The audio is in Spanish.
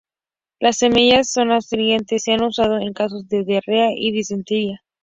Las semillas son astringente, se han usado en casos de diarrea y disentería.